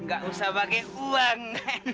gak usah pake uang